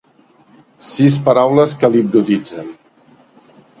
Sis paraules que l'hipnotitzen.